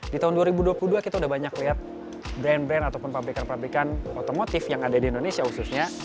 di tahun dua ribu dua puluh dua kita udah banyak lihat brand brand ataupun pabrikan pabrikan otomotif yang ada di indonesia khususnya